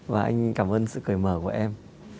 và anh cảm ơn sự cười mở của em